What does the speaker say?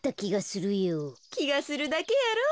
きがするだけやろ。